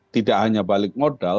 tidak hanya balik modal